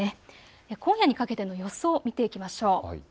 今夜にかけての予想を見ていきましょう。